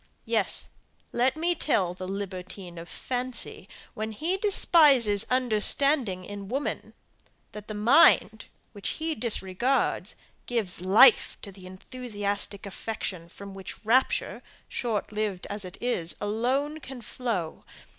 Yes, let me tell the libertine of fancy when he despises understanding in woman that the mind, which he disregards, gives life to the enthusiastic affection from which rapture, short lived as it is, alone can flow!